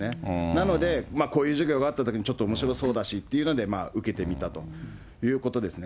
なので、こういう授業があったときに、ちょっとおもしろそうだしというので受けてみたということですね。